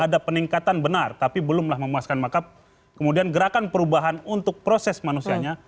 ada peningkatan benar tapi belumlah memuaskan maka kemudian gerakan perubahan untuk proses manusianya